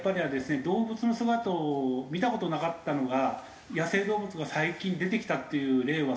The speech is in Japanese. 動物の姿を見た事なかったのが野生動物が最近出てきたっていう例はすごい増えていまして。